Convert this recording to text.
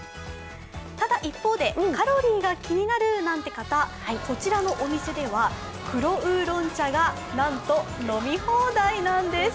ただ一方で、カロリーが気になるなんて方、こちらのお店では、黒ウーロン茶がなんと飲み放題なんです。